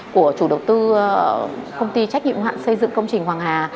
của chủ đầu tư công ty trách nhiệm ưu hạn xây dựng công trình hoàng hà